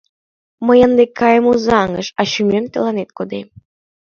Мый ынде каем Озаҥыш, а шӱмем тыланет кодем.